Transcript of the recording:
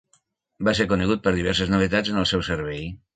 Va ser conegut per diverses novetats en el seu servei.